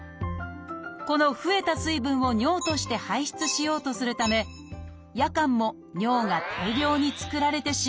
この増えた水分を尿として排出しようとするため夜間も尿が大量に作られてしまうのです。